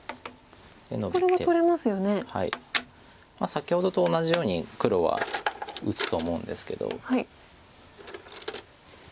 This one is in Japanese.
先ほどと同じように黒は打つと思うんですけど。